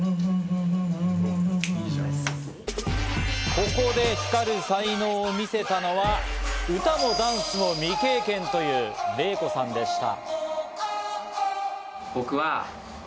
ここで光る才能を見せたのは、歌もダンスも未経験というレイコさんでした。